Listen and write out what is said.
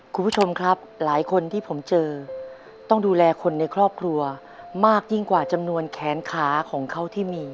คุณผู้ชมครับหลายคนที่ผมเจอต้องดูแลคนในครอบครัวมากยิ่งกว่าจำนวนแขนขาของเขาที่มี